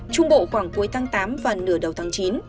trung bộ khoảng cuối tháng tám và nửa đầu tháng chín